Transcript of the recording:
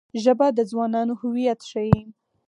ژبه د ځوانانو هویت ښيي